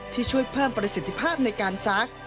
ที่ช่วยเพิ่มประสิทธิภาพในการซัก